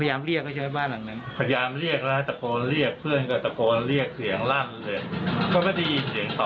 ปีหนึ่งปีสองอะไรนี้ทีวีเขาจะเปิดผมก็จะได้ยินเสียง